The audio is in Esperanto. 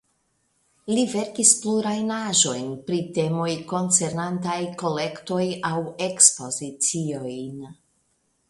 Li verkis plurajn aĵoj pri temoj koncernantaj kolektojn aŭ ekspoziciojn.